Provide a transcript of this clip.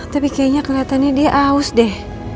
tapi kayaknya kelihatannya dia aus deh